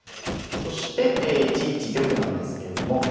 そして１一玉なんですけれども。